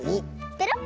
ペロッ！